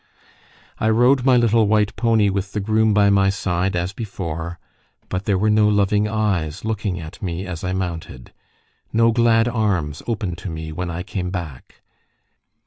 I rode my little white pony with the groom by my side as before, but there were no loving eyes looking at me as I mounted, no glad arms opened to me when I came back.